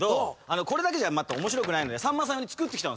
これだけじゃ面白くないのでさんまさんに作ってきたんです。